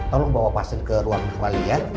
tolong bawa pasien ke ruang kembali ya